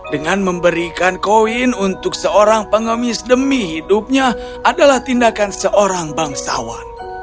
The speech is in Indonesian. dengan memberikan koin untuk seorang pengemis demi hidupnya adalah tindakan seorang bangsawan